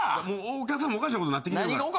お客さんもおかしなことなってきてるから。